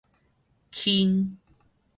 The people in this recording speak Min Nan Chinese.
氫